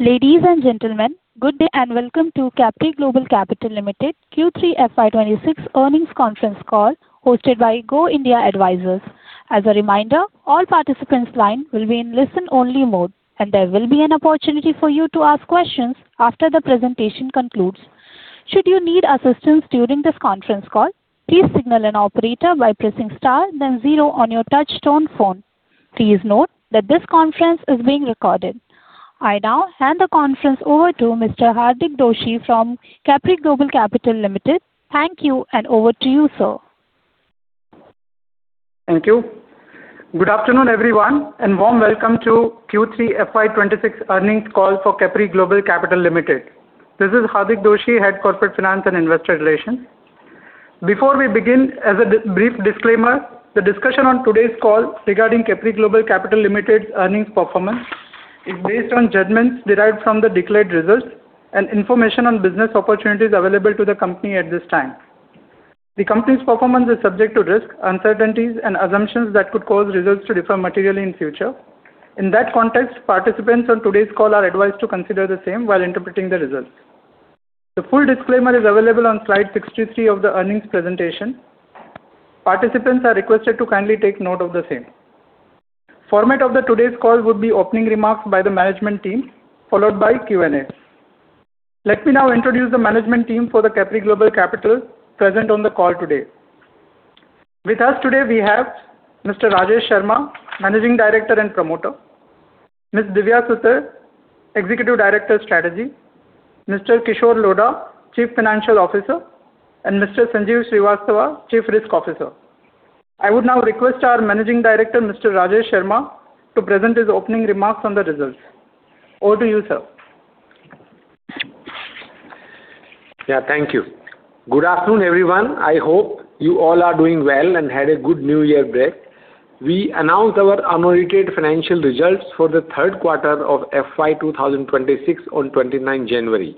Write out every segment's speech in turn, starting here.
Ladies and gentlemen, good day and welcome to Capri Global Capital Limited Q3 FY26 earnings conference call hosted by Go India Advisors. As a reminder, all participants' lines will be in listen-only mode, and there will be an opportunity for you to ask questions after the presentation concludes. Should you need assistance during this conference call, please signal an operator by pressing star, then zero on your touch-tone phone. Please note that this conference is being recorded. I now hand the conference over to Mr. Hardik Doshi from Capri Global Capital Limited. Thank you, and over to you, sir. Thank you. Good afternoon, everyone, and warm welcome to Q3 FY26 earnings call for Capri Global Capital Limited. This is Hardik Doshi, Head of Corporate Finance and Investor Relations. Before we begin, as a brief disclaimer, the discussion on today's call regarding Capri Global Capital Limited's earnings performance is based on judgments derived from the declared results and information on business opportunities available to the company at this time. The company's performance is subject to risk, uncertainties, and assumptions that could cause results to differ materially in future. In that context, participants on today's call are advised to consider the same while interpreting the results. The full disclaimer is available on slide 63 of the earnings presentation. Participants are requested to kindly take note of the same. Format of today's call would be opening remarks by the management team, followed by Q&A. Let me now introduce the management team for Capri Global Capital present on the call today. With us today, we have Mr. Rajesh Sharma, Managing Director and Promoter, Ms. Divya Sutar, Executive Director Strategy, Mr. Kishore Lodha, Chief Financial Officer, and Mr. Sanjeev Srivastava, Chief Risk Officer. I would now request our Managing Director, Mr. Rajesh Sharma, to present his opening remarks on the results. Over to you, sir. Yeah, thank you. Good afternoon, everyone. I hope you all are doing well and had a good New Year break. We announced our interim financial results for the third quarter of FY2026 on 29 January.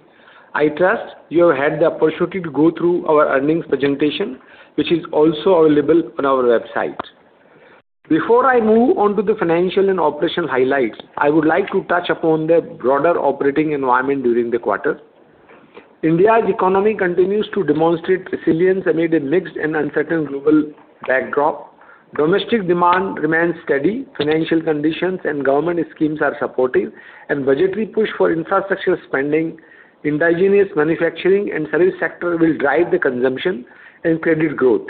I trust you have had the opportunity to go through our earnings presentation, which is also available on our website. Before I move on to the financial and operational highlights, I would like to touch upon the broader operating environment during the quarter. India's economy continues to demonstrate resilience amid a mixed and uncertain global backdrop. Domestic demand remains steady, financial conditions and government schemes are supportive, and budgetary push for infrastructure spending, indigenous manufacturing, and service sector will drive the consumption and credit growth.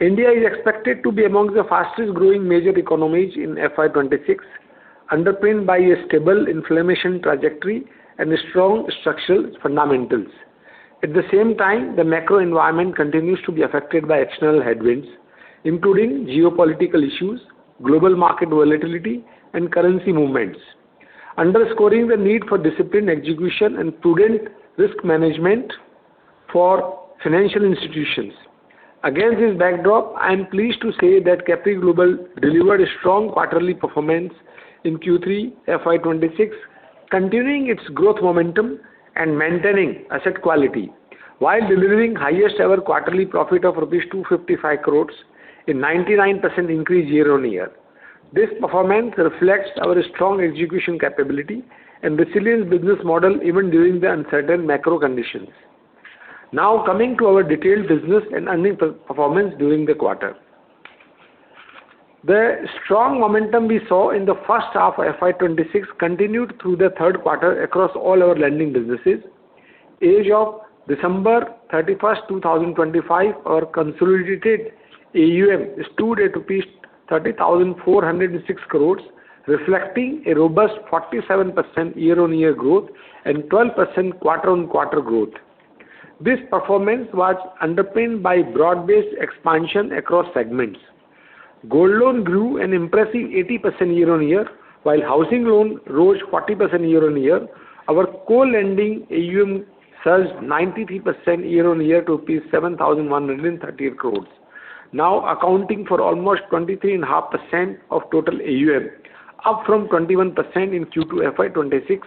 India is expected to be among the fastest-growing major economies in FY26, underpinned by a stable inflation trajectory and strong structural fundamentals. At the same time, the macro environment continues to be affected by external headwinds, including geopolitical issues, global market volatility, and currency movements, underscoring the need for disciplined execution and prudent risk management for financial institutions. Against this backdrop, I am pleased to say that Capri Global delivered strong quarterly performance in Q3 FY26, continuing its growth momentum and maintaining asset quality, while delivering highest-ever quarterly profit of 255 crores in 99% increase year on year. This performance reflects our strong execution capability and resilience business model even during the uncertain macro conditions. Now, coming to our detailed business and earnings performance during the quarter. The strong momentum we saw in the first half of FY26 continued through the third quarter across all our lending businesses. As of December 31st, 2025, our consolidated AUM stood at 30,406 crores, reflecting a robust 47% year-on-year growth and 12% quarter-on-quarter growth. This performance was underpinned by broad-based expansion across segments. Gold loan grew an impressive 80% year-on-year, while housing loan rose 40% year-on-year. Our co-lending AUM surged 93% year-on-year to 7,138 crores, now accounting for almost 23.5% of total AUM, up from 21% in Q2 FY26,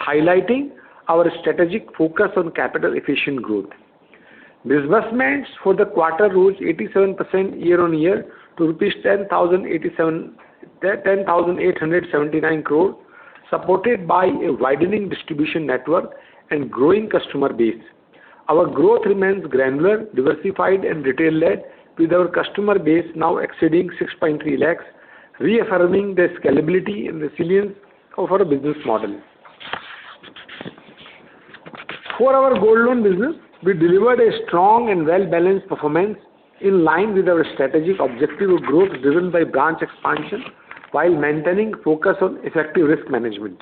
highlighting our strategic focus on capital-efficient growth. Disbursements for the quarter rose 87% year-on-year to rupees 10,879 crores, supported by a widening distribution network and growing customer base. Our growth remains granular, diversified, and retail-led, with our customer base now exceeding 630,000, reaffirming the scalability and resilience of our business model. For our gold loan business, we delivered a strong and well-balanced performance in line with our strategic objective of growth driven by branch expansion while maintaining focus on effective risk management.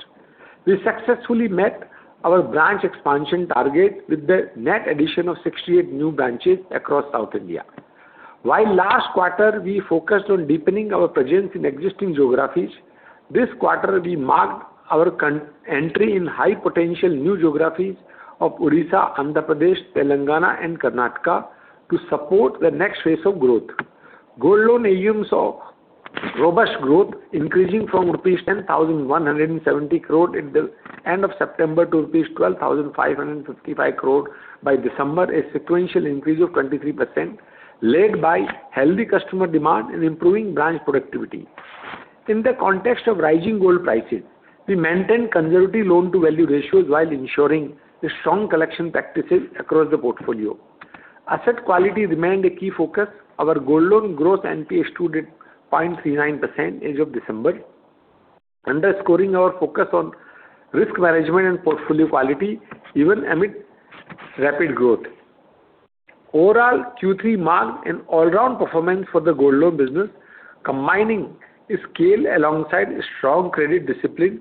We successfully met our branch expansion targets with the net addition of 68 new branches across South India. While last quarter we focused on deepening our presence in existing geographies, this quarter we marked our entry in high-potential new geographies of Odisha, Andhra Pradesh, Telangana, and Karnataka to support the next phase of growth. Gold loan AUM saw robust growth increasing from rupees 10,170 crore at the end of September to rupees 12,555 crore by December, a sequential increase of 23%, led by healthy customer demand and improving branch productivity. In the context of rising gold prices, we maintained conservative loan-to-value ratios while ensuring strong collection practices across the portfolio. Asset quality remained a key focus. Our gold loan gross NPA stood at 0.39% as of December, underscoring our focus on risk management and portfolio quality even amid rapid growth. Overall, Q3 marked an all-round performance for the gold loan business, combining scale alongside strong credit discipline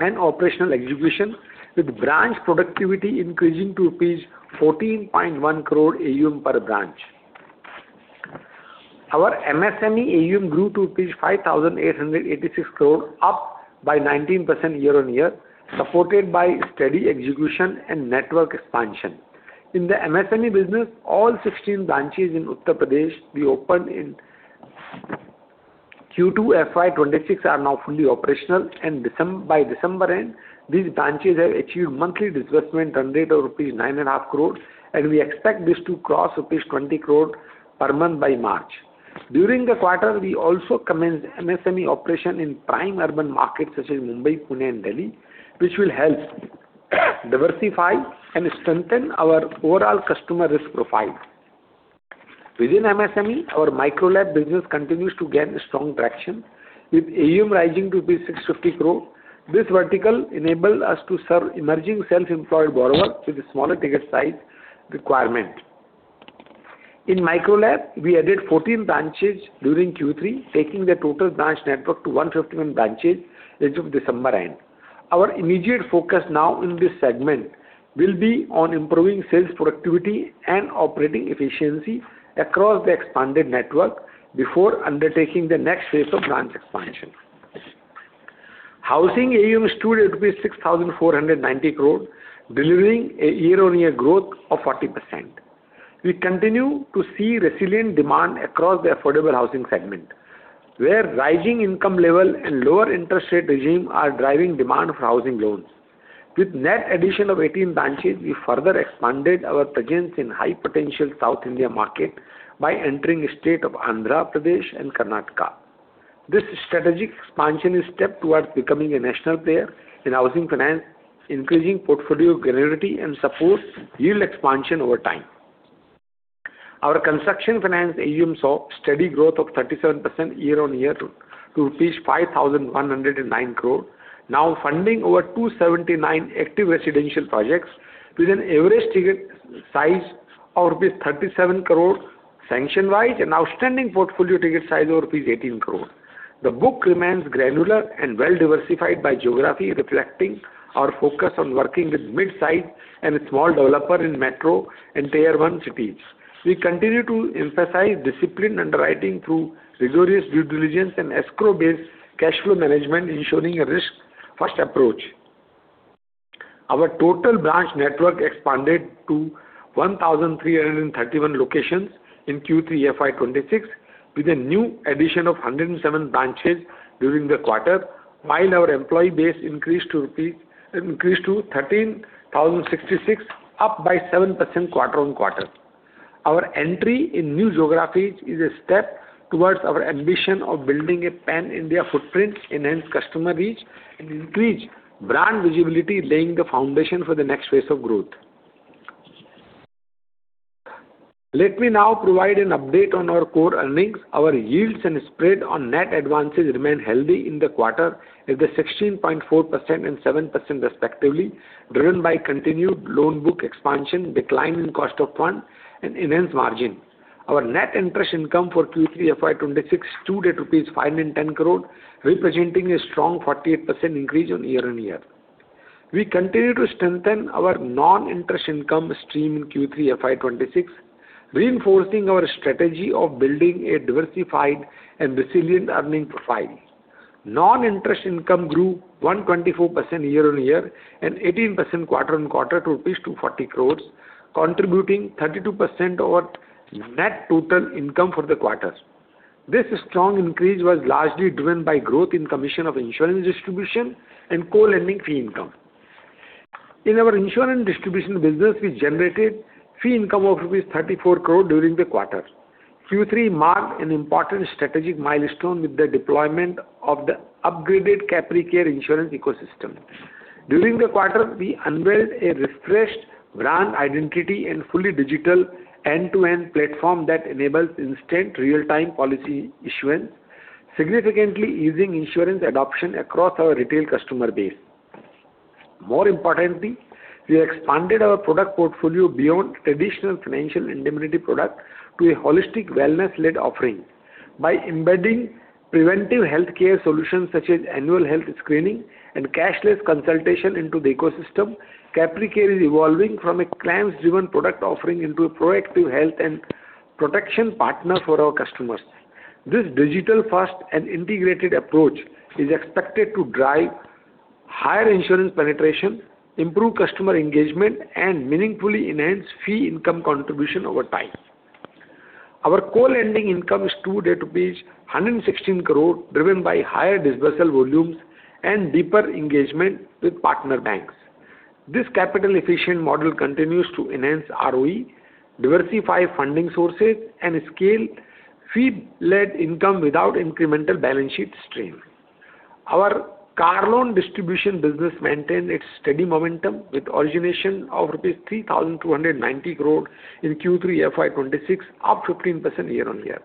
and operational execution, with branch productivity increasing to rupees 14.1 crore AUM per branch. Our MSME AUM grew to rupees 5,886 crore, up by 19% year-on-year, supported by steady execution and network expansion. In the MSME business, all 16 branches in Uttar Pradesh we opened in Q2 FY26 are now fully operational, and by December end, these branches have achieved monthly disbursement run rate of rupees 9.5 crores, and we expect this to cross rupees 20 crore per month by March. During the quarter, we also commenced MSME operation in prime urban markets such as Mumbai, Pune, and Delhi, which will help diversify and strengthen our overall customer risk profile. Within MSME, our Micro LAP business continues to gain strong traction, with AUM rising to rupees 650 crore. This vertical enabled us to serve emerging self-employed borrowers with smaller ticket size requirements. In Micro LAP, we added 14 branches during Q3, taking the total branch network to 151 branches as of December end. Our immediate focus now in this segment will be on improving sales productivity and operating efficiency across the expanded network before undertaking the next phase of branch expansion. Housing AUM stood at 6,490 crore, delivering a year-on-year growth of 40%. We continue to see resilient demand across the affordable housing segment, where rising income level and lower interest rate regime are driving demand for housing loans. With net addition of 18 branches, we further expanded our presence in high-potential South India market by entering the state of Andhra Pradesh and Karnataka. This strategic expansion is a step towards becoming a national player in housing finance, increasing portfolio granularity, and supporting yield expansion over time. Our construction finance AUM saw steady growth of 37% year on year to 5,109 crore, now funding over 279 active residential projects with an average ticket size of rupees 37 crore sanction-wise and outstanding portfolio ticket size of rupees 18 crore. The book remains granular and well-diversified by geography, reflecting our focus on working with mid-sized and small developers in metro and Tier 1 cities. We continue to emphasize disciplined underwriting through rigorous due diligence and escrow-based cash flow management, ensuring a risk-first approach. Our total branch network expanded to 1,331 locations in Q3 FY26 with a new addition of 107 branches during the quarter, while our employee base increased to 13,066, up by 7% quarter on quarter. Our entry in new geographies is a step towards our ambition of building a pan-India footprint, enhancing customer reach, and increasing brand visibility, laying the foundation for the next phase of growth. Let me now provide an update on our core earnings. Our yields and spread on net advances remain healthy in the quarter at 16.4% and 7% respectively, driven by continued loan book expansion, decline in cost of funds, and enhanced margin. Our net interest income for Q3 FY26 stood at 510 crore, representing a strong 48% increase year-on-year. We continue to strengthen our non-interest income stream in Q3 FY26, reinforcing our strategy of building a diversified and resilient earning profile. Non-interest income grew 124% year-on-year and 18% quarter-on-quarter to rupees 240 crores, contributing 32% of our net total income for the quarter. This strong increase was largely driven by growth in commission of insurance distribution and co-lending fee income. In our insurance distribution business, we generated fee income of rupees 34 crore during the quarter. Q3 marked an important strategic milestone with the deployment of the upgraded Capri Care insurance ecosystem. During the quarter, we unveiled a refreshed brand identity and fully digital end-to-end platform that enables instant, real-time policy issuance, significantly easing insurance adoption across our retail customer base. More importantly, we expanded our product portfolio beyond traditional financial indemnity products to a holistic wellness-led offering. By embedding preventive healthcare solutions such as annual health screening and cashless consultation into the ecosystem, Capri Care is evolving from a claims-driven product offering into a proactive health and protection partner for our customers. This digital-first and integrated approach is expected to drive higher insurance penetration, improve customer engagement, and meaningfully enhance fee income contribution over time. Our co-lending income stood at rupees 116 crore, driven by higher disbursal volumes and deeper engagement with partner banks. This capital-efficient model continues to enhance ROE, diversify funding sources, and scale fee-led income without incremental balance sheet strain. Our car loan distribution business maintains its steady momentum, with origination of rupees 3,290 crore in Q3 FY26, up 15% year-on-year.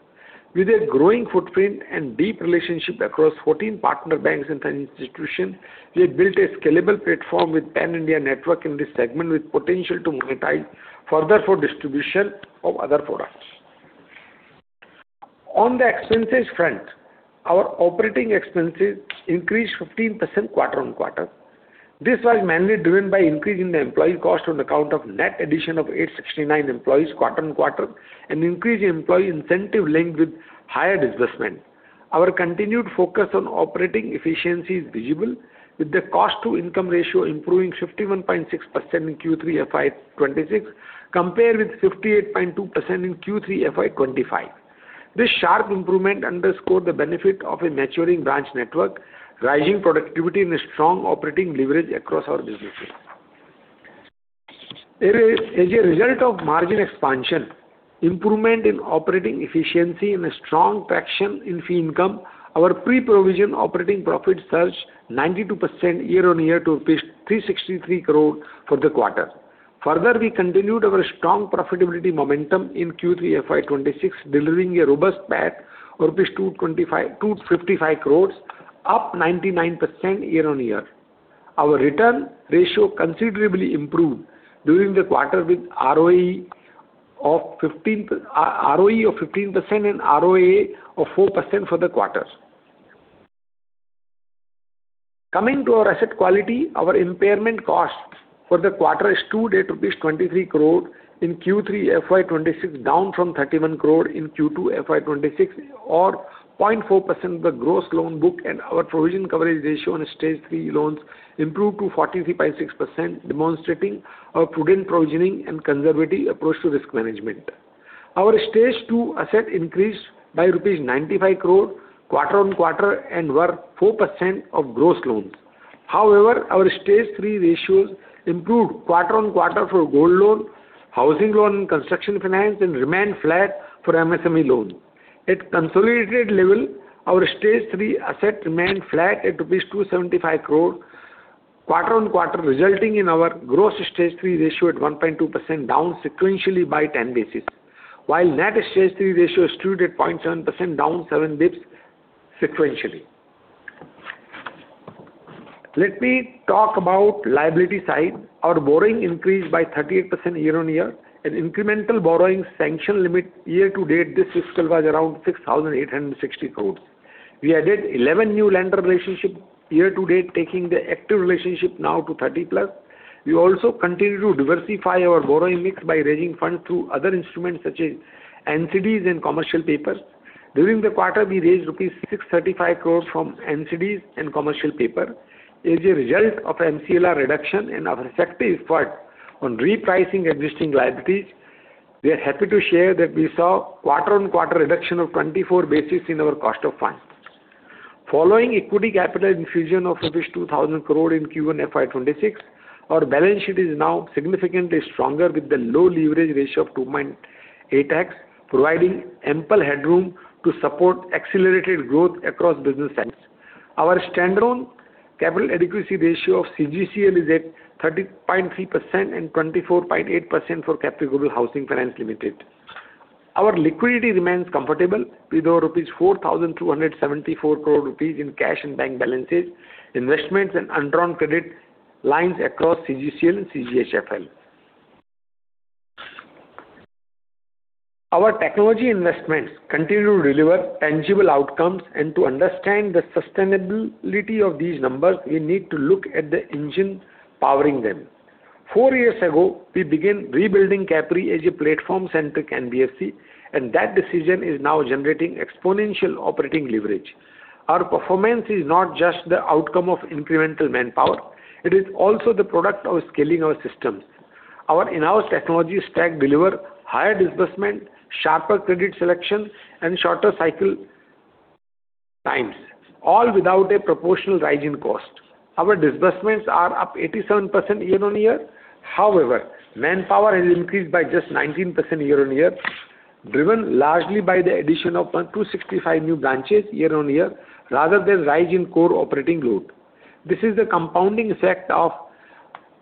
With a growing footprint and deep relationship across 14 partner banks and institutions, we have built a scalable platform with a pan-India network in this segment with potential to monetize further for distribution of other products. On the expenses front, our operating expenses increased 15% quarter-on-quarter. This was mainly driven by an increase in the employee cost on account of the net addition of 869 employees quarter-on-quarter and an increased employee incentive linked with higher disbursement. Our continued focus on operating efficiency is visible, with the cost-to-income ratio improving 51.6% in Q3 FY26 compared with 58.2% in Q3 FY25. This sharp improvement underscored the benefit of a maturing branch network, rising productivity, and strong operating leverage across our businesses. As a result of margin expansion, improvement in operating efficiency, and strong traction in fee income, our pre-provision operating profit surged 92% year-on-year to 363 crore for the quarter. Further, we continued our strong profitability momentum in Q3 FY26, delivering a robust PAT of rupees 255 crores, up 99% year-on-year. Our return ratio considerably improved during the quarter, with ROE of 15% and ROA of 4% for the quarter. Coming to our asset quality, our impairment cost for the quarter stood at 23 crore in Q3 FY26, down from 31 crore in Q2 FY26, or 0.4% of the gross loan book, and our provision coverage ratio on Stage 3 loans improved to 43.6%, demonstrating our prudent provisioning and conservative approach to risk management. Our Stage 2 asset increased by INR 95 crore quarter-on-quarter and were 4% of gross loans. However, our stage 3 ratios improved quarter-on-quarter for gold loan, housing loan, and construction finance, and remained flat for MSME loans. At consolidated level, our stage 3 asset remained flat at rupees 275 crore quarter-on-quarter, resulting in our gross stage 3 ratio at 1.2%, down sequentially by 10 basis points, while net stage 3 ratio stood at 0.7%, down 7 basis points sequentially. Let me talk about liability side. Our borrowing increased by 38% year-on-year, and incremental borrowing sanction limit year to date, this fiscal was around 6,860 crores. We added 11 new lender relationships year to date, taking the active relationship now to 30+. We also continue to diversify our borrowing mix by raising funds through other instruments such as NCDs and commercial papers. During the quarter, we raised rupees 635 crores from NCDs and commercial paper. As a result of MCLR reduction and our effective effort on repricing existing liabilities, we are happy to share that we saw quarter-on-quarter reduction of 24 basis in our cost of funds. Following equity capital infusion of rupees 2,000 crore in Q1 FY26, our balance sheet is now significantly stronger with the low leverage ratio of 2.8x, providing ample headroom to support accelerated growth across business segments. Our standalone capital adequacy ratio of CGCL is at 30.3% and 24.8% for Capri Global Housing Finance Limited. Our liquidity remains comfortable, with 4,274 crores rupees in cash and bank balances, investments, and underwriting credit lines across CGCL and CGHFL. Our technology investments continue to deliver tangible outcomes, and to understand the sustainability of these numbers, we need to look at the engine powering them. Four years ago, we began rebuilding Capri as a platform-centric NBFC, and that decision is now generating exponential operating leverage. Our performance is not just the outcome of incremental manpower; it is also the product of scaling our systems. Our in-house technology stack delivers higher disbursement, sharper credit selection, and shorter cycle times, all without a proportional rise in cost. Our disbursements are up 87% year-on-year. However, manpower has increased by just 19% year-on-year, driven largely by the addition of 265 new branches year-on-year rather than a rise in core operating load. This is the compounding effect of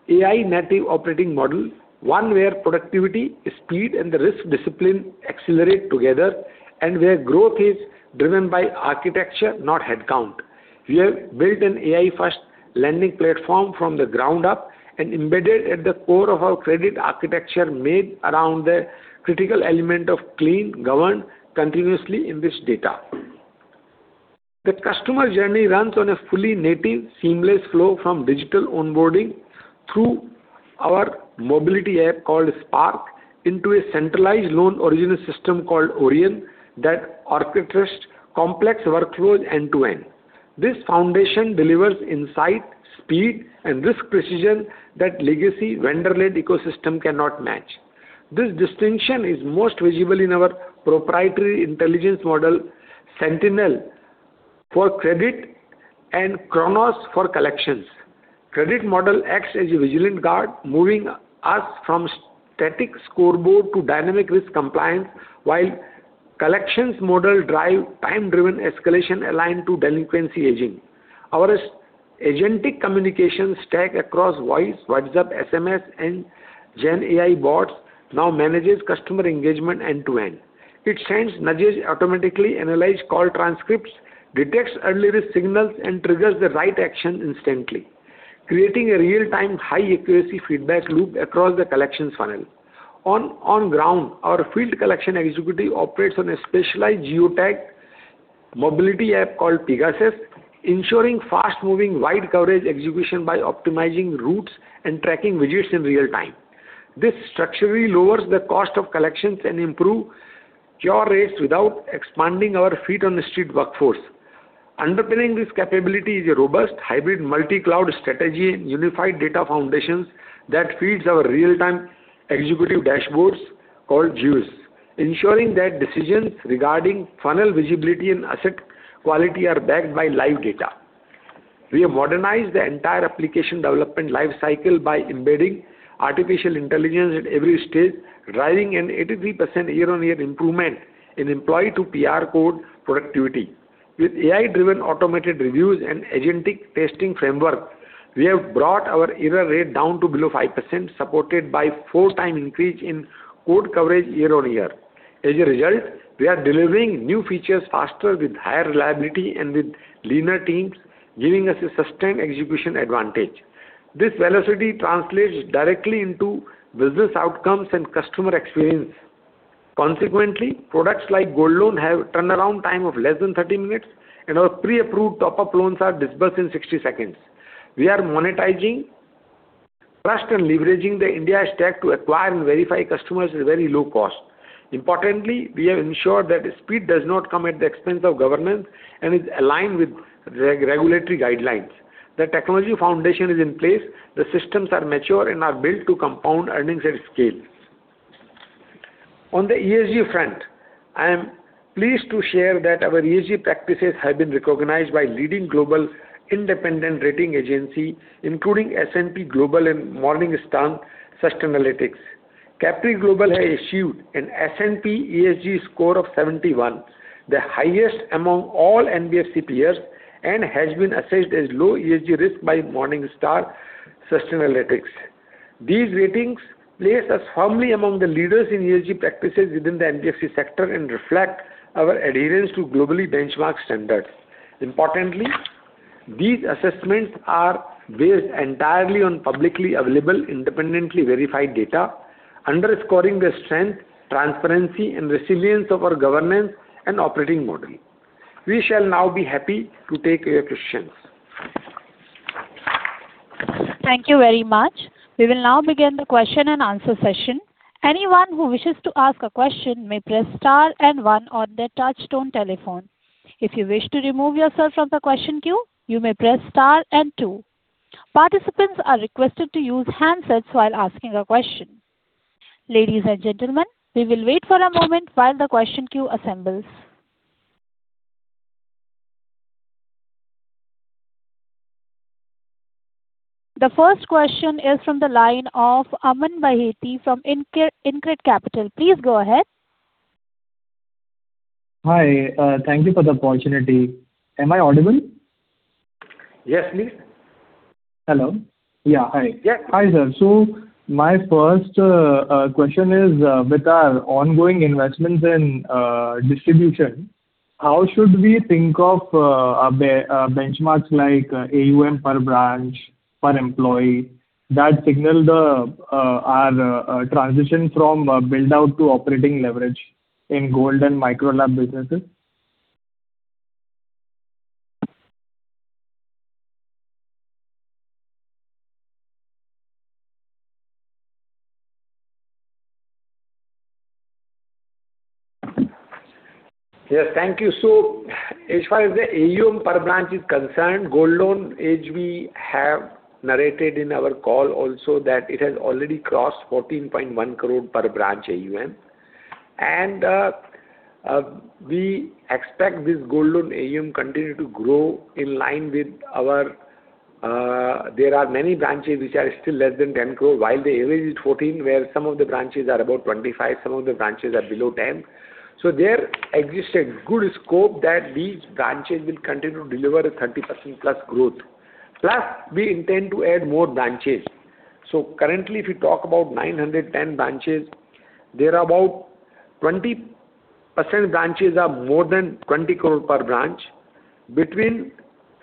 an AI-native operating model, one where productivity, speed, and risk discipline accelerate together and where growth is driven by architecture, not headcount. We have built an AI-first lending platform from the ground up and embedded it at the core of our credit architecture, made around the critical element of clean governance continuously in this data. The customer journey runs on a fully native, seamless flow from digital onboarding through our mobility app called Spark into a centralized loan origination system called Orion that orchestrates complex workflows end to end. This foundation delivers insight, speed, and risk precision that a legacy vendor-led ecosystem cannot match. This distinction is most visible in our proprietary intelligence model, Sentinel for credit and Kronos for collections. The credit model acts as a vigilant guard, moving us from static scoreboard to dynamic risk compliance, while the collections model drives time-driven escalation aligned to delinquency aging. Our agentic communication stack across voice, WhatsApp, SMS, and GenAI bots now manages customer engagement end to end. It sends nudges, automatically analyzes call transcripts, detects early risk signals, and triggers the right action instantly, creating a real-time, high-accuracy feedback loop across the collections funnel. On the ground, our field collection executive operates on a specialized geotagged mobility app called Pegasus, ensuring fast-moving, wide coverage execution by optimizing routes and tracking visits in real time. This structurally lowers the cost of collections and improves cure rates without expanding our feet on the street workforce. Underpinning this capability is a robust hybrid multi-cloud strategy and unified data foundations that feed our real-time executive dashboards called Zeus, ensuring that decisions regarding funnel visibility and asset quality are backed by live data. We have modernized the entire application development lifecycle by embedding artificial intelligence at every stage, driving an 83% year-on-year improvement in employee-to-PR code productivity. With AI-driven automated reviews and agentic testing frameworks, we have brought our error rate down to below 5%, supported by a 4-time increase in code coverage year-on-year. As a result, we are delivering new features faster with higher reliability and with leaner teams, giving us a sustained execution advantage. This velocity translates directly into business outcomes and customer experience. Consequently, products like gold loans have a turnaround time of less than 30 minutes, and our pre-approved top-up loans are disbursed in 60 seconds. We are monetizing, trusting, and leveraging the India Stack to acquire and verify customers at a very low cost. Importantly, we have ensured that speed does not come at the expense of governance and is aligned with regulatory guidelines. The technology foundation is in place; the systems are mature and are built to compound earnings at scale. On the ESG front, I am pleased to share that our ESG practices have been recognized by the leading global independent rating agency, including S&P Global and Morningstar Sustainalytics. Capri Global has achieved an S&P ESG score of 71, the highest among all NBFC peers, and has been assessed as low ESG risk by Morningstar Sustainalytics. These ratings place us firmly among the leaders in ESG practices within the NBFC sector and reflect our adherence to globally benchmarked standards. Importantly, these assessments are based entirely on publicly available, independently verified data, underscoring the strength, transparency, and resilience of our governance and operating model. We shall now be happy to take your questions. Thank you very much. We will now begin the question-and-answer session. Anyone who wishes to ask a question may press star and one on their touch-tone telephone. If you wish to remove yourself from the question queue, you may press star and two. Participants are requested to use handsets while asking a question. Ladies and gentlemen, we will wait for a moment while the question queue assembles. The first question is from the line of Aman Baheti from InCred Capital. Please go ahead. Hi. Thank you for the opportunity. Am I audible? Yes, please. Hello? Yeah, hi. Hi, sir. So, my first question is, with our ongoing investments in distribution, how should we think of benchmarks like AUM per branch, per employee that signal our transition from build-out to operating leverage in gold and Micro LAP businesses? Yes, thank you. So, as far as the AUM per branch is concerned, gold loans as we have narrated in our call also that it has already crossed 14.1 crore per branch AUM. And we expect this gold loan AUM to continue to grow in line with our there are many branches which are still less than 10 crore, while the average is 14 crore, where some of the branches are about 25 crore, some of the branches are below 10 crore. So, there exists a good scope that these branches will continue to deliver 30% plus growth. Plus, we intend to add more branches. So currently, if you talk about 910 branches, there are about 20% branches are more than 20 crore per branch. Between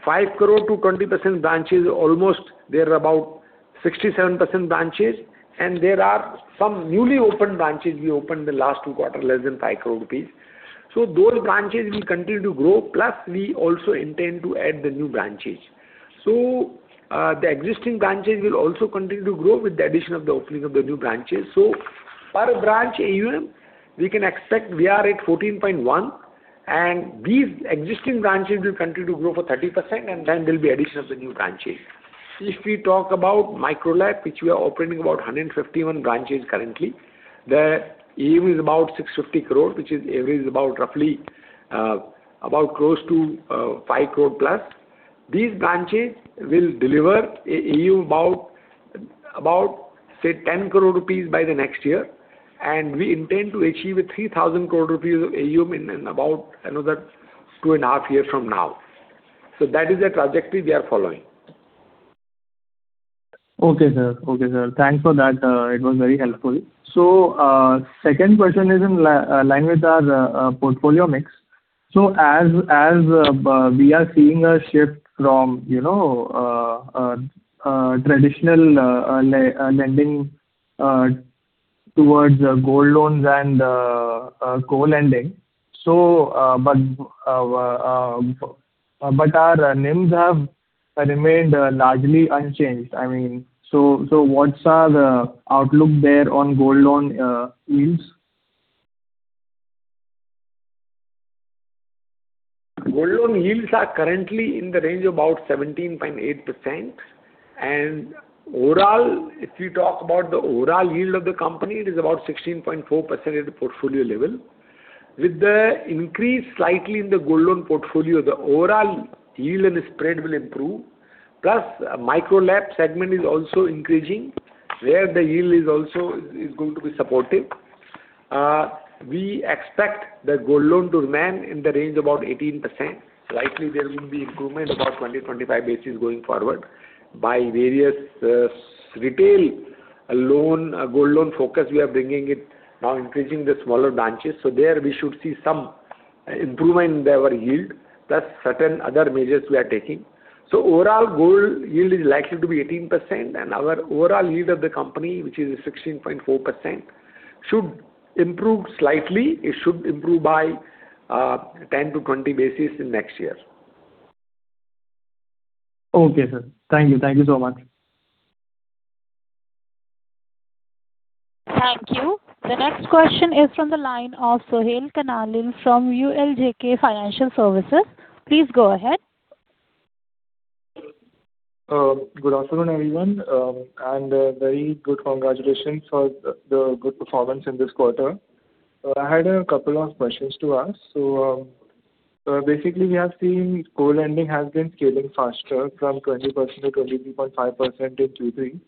5 crore to 20% branches, almost there are about 67% branches. There are some newly opened branches we opened in the last 2 quarters [have] less than 5 crore rupees. So, those branches will continue to grow. Plus, we also intend to add new branches. So, the existing branches will also continue to grow with the addition of the opening of the new branches. So, per branch AUM, we can expect we are at 14.1 crore. These existing branches will continue to grow 30%, and then there will be addition of the new branches. If we talk about Micro LAP, which we are operating about 151 branches currently, the AUM is about 650 crore, which averages about close to 5 crore plus. These branches will deliver an AUM of about, say, 10 crore rupees by the next year. And we intend to achieve 3,000 crore rupees of AUM in about another 2.5 years from now. That is the trajectory we are following. Okay, sir. Okay, sir. Thanks for that. It was very helpful. So, the second question is in line with our portfolio mix. So, as we are seeing a shift from traditional lending towards gold loans and co-lending, but our NIMs have remained largely unchanged. I mean, so what's the outlook there on gold loan yields? Gold loan yields are currently in the range of about 17.8%. Overall, if we talk about the overall yield of the company, it is about 16.4% at the portfolio level. With the increase slightly in the gold loan portfolio, the overall yield and spread will improve. Plus, the Micro LAP segment is also increasing, where the yield is also going to be supportive. We expect the gold loan to remain in the range of about 18%. Likely, there will be improvement about 20-25 basis going forward by various retail gold loan focus we are bringing it now, increasing the smaller branches. So there, we should see some improvement in our yield, plus certain other measures we are taking. So overall, gold yield is likely to be 18%. And our overall yield of the company, which is 16.4%, should improve slightly. It should improve by 10-20 basis points in next year. Okay, sir. Thank you. Thank you so much. Thank you. The next question is from the line of Sohail Kanalil from ULJK Financial Services. Please go ahead. Good afternoon, everyone. Very good congratulations for the good performance in this quarter. I had a couple of questions to ask. Basically, we have seen co-lending has been scaling faster from 20%-23.5% in Q3.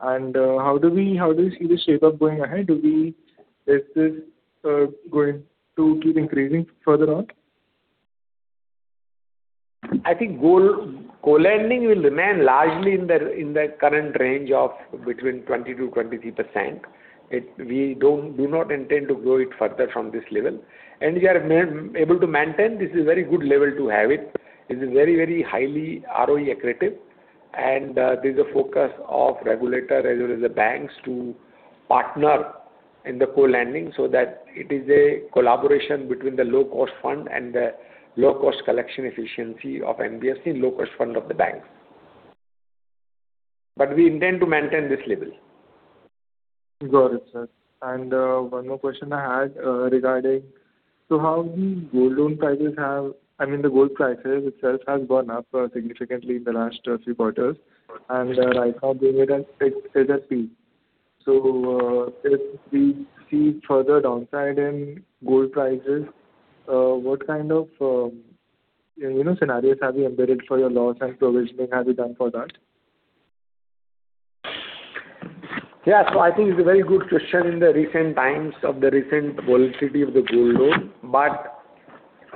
And how do we see this shape up going ahead? Is this going to keep increasing further on? I think co-lending will remain largely in the current range between 20%-23%. We do not intend to grow it further from this level. We are able to maintain this is a very good level to have it. It's very, very highly ROE accretive. There's a focus of regulators as well as the banks to partner in the co-lending so that it is a collaboration between the low-cost fund and the low-cost collection efficiency of NBFC and low-cost fund of the banks. But we intend to maintain this level. Got it, sir. One more question I had regarding, so how do gold loan prices have, I mean, the gold prices itself have gone up significantly in the last few quarters. Right now, it's at peak. So, if we see further downside in gold prices, what kind of scenarios have we embedded for your loss and provisioning? Have we done for that? Yeah. So, I think it's a very good question in the recent times of the recent volatility of the gold loan. But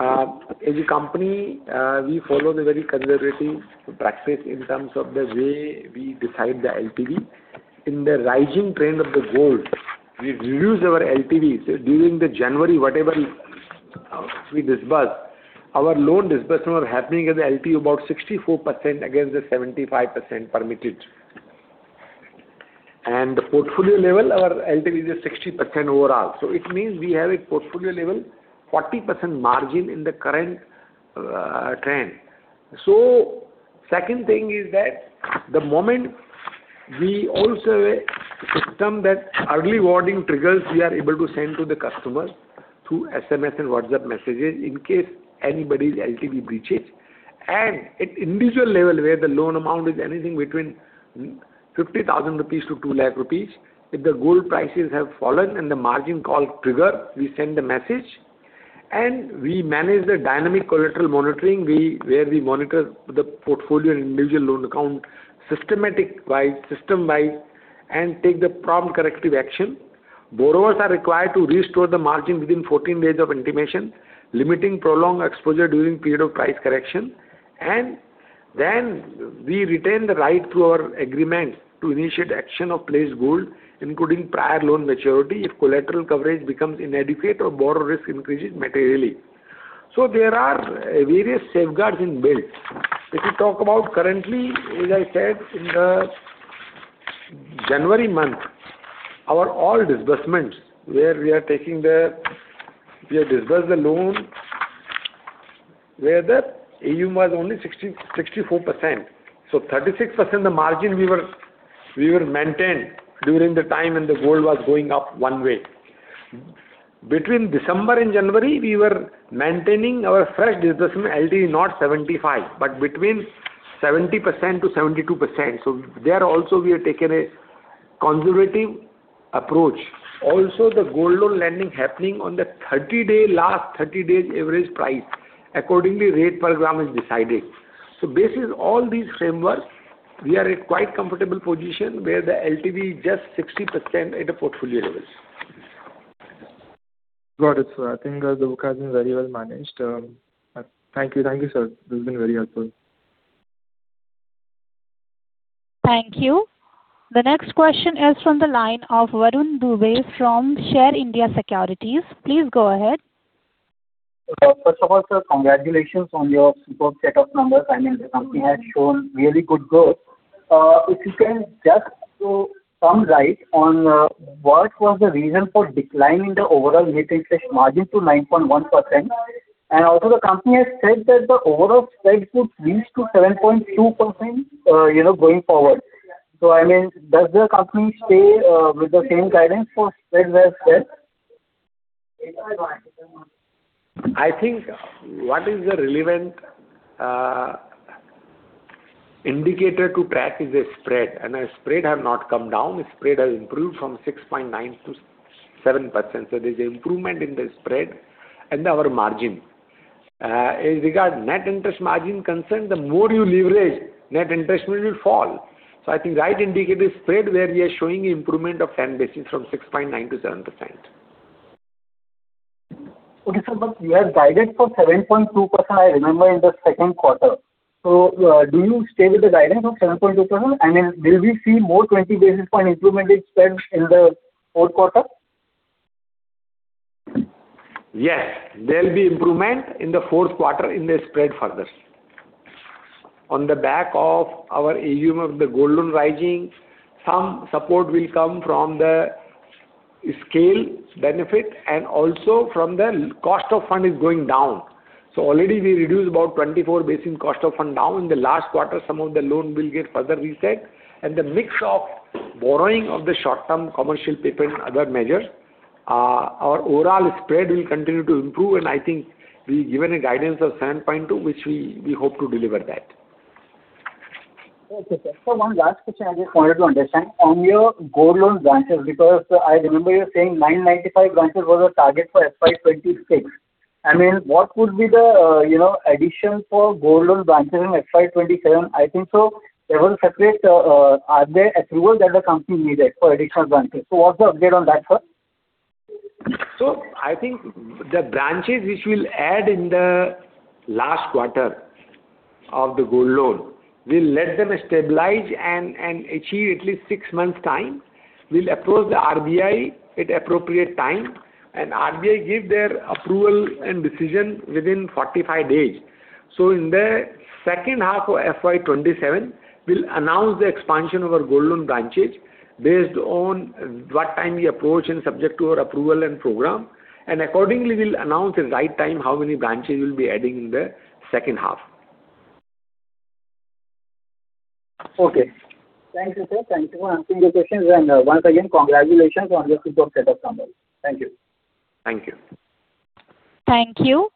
as a company, we follow the very conservative practice in terms of the way we decide the LTV. In the rising trend of the gold, we reduce our LTVs. During January, whatever we disburse, our loan disbursement was happening at the LTV about 64% against the 75% permitted. And the portfolio level, our LTV is 60% overall. So, it means we have a portfolio level 40% margin in the current trend. So, the second thing is that the moment we also have a system that early warning triggers, we are able to send to the customers through SMS and WhatsApp messages in case anybody's LTV breaches. At the individual level, where the loan amount is anything between 50,000-2,000,000 rupees, if the gold prices have fallen and the margin call triggers, we send the message. We manage the dynamic collateral monitoring, where we monitor the portfolio and individual loan account systematically and take the prompt corrective action. Borrowers are required to restore the margin within 14 days of intimation, limiting prolonged exposure during the period of price correction. Then we retain the right through our agreements to initiate auction of pledged gold, including prior loan maturity if collateral coverage becomes inadequate or borrower risk increases materially. So, there are various safeguards inbuilt. If we talk about currently, as I said, in the January month, our all disbursements where we disburse the loan where the AUM was only 64%. So, 36% of the margin we were maintained during the time when the gold was going up one way. Between December and January, we were maintaining our fresh disbursement LTV, not 75, but between 70%-72%. So, there also, we have taken a conservative approach, also the gold loan lending happening on the last 30 days' average price, accordingly rate program is decided. So, based on all these frameworks, we are at quite a comfortable position where the LTV is just 60% at the portfolio level. Got it, sir. I think the book has been very well managed. Thank you. Thank you, sir. This has been very helpful. Thank you. The next question is from the line of Varun Dubey from Share India Securities. Please go ahead. First of all, sir, congratulations on your superb set of numbers. I mean, the company has shown really good growth. If you can just comment on what was the reason for decline in the overall net interest margin to 9.1%? And also, the company has said that the overall spread could reach to 7.2% going forward. So, I mean, does the company stay with the same guidance for spread as well? I think what is the relevant indicator to track is the spread. The spread has not come down. The spread has improved from 6.9%-7%. There's an improvement in the spread and our margin. As regards to net interest margin concern, the more you leverage, net interest will fall. The right indicator is spread, where we are showing an improvement of 10 basis from 6.9%-7%. Okay, sir. But we are guided for 7.2%, I remember, in the second quarter. So do you stay with the guidance of 7.2%? I mean, will we see more 20 basis point improvement in spread in the fourth quarter? Yes. There will be improvement in the fourth quarter in the spread further. On the back of our AUM of the gold loan rising, some support will come from the scale benefit and also from the cost of fund is going down. So already, we reduced about 24 bases in cost of fund down. In the last quarter, some of the loan will get further reset. And the mix of borrowing of the short-term commercial paper and other measures, our overall spread will continue to improve. And I think we are given a guidance of 7.2, which we hope to deliver that. Okay, sir. So, one last question I just wanted to understand on your gold loan branches because I remember you were saying 995 branches was a target for FY26. I mean, what would be the addition for gold loan branches in FY27? I think, so there was a separate. Are there approvals that the company needed for additional branches? So, what's the update on that, sir? I think the branches which we'll add in the last quarter of the gold loan, we'll let them stabilize and achieve at least six months' time. We'll approach the RBI at the appropriate time. RBI gives their approval and decision within 45 days. In the second half of FY27, we'll announce the expansion of our gold loan branches based on what time we approach and subject to our approval and program. Accordingly, we'll announce at the right time how many branches we'll be adding in the second half. Okay. Thank you, sir. Thank you for asking the questions. And once again, congratulations on your superb set of numbers. Thank you. Thank you. Thank you.